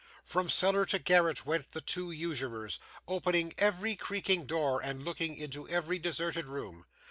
From cellar to garret went the two usurers, opening every creaking door and looking into every deserted room.